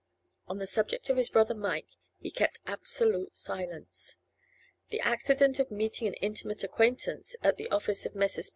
On the subject of his brother Mike he kept absolute silence. The accident of meeting an intimate acquaintance at the office of Messrs.